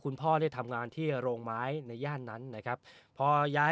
คุณพ่อได้ทำงานที่โรงไม้ในย่านนั้นนะครับพอย้าย